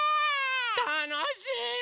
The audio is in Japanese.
たのしいよね。